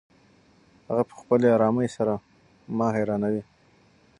هغه په خپلې ارامۍ سره ما حیرانوي.